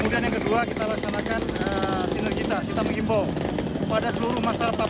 kemudian yang kedua kita laksanakan sinergita kita mengimbau pada seluruh masyarakat papua